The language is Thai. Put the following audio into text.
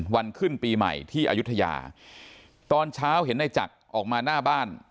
วันขึ้นปีใหม่ที่อายุทยาตอนเช้าเห็นในจักรออกมาหน้าบ้าน